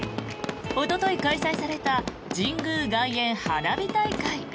おととい開催された神宮外苑花火大会。